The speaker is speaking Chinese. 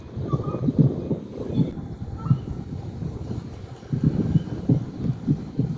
这些因基的变异也许有助于了解为何某些膀膀胱癌长得比较快。